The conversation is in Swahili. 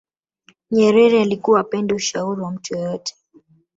nyerere alikuwa hapendi ushauri wa mtu yeyote